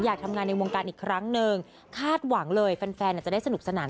อยากทำงานในวงการอีกครั้งหนึ่งคาดหวังเลยแฟนจะได้สนุกสนาน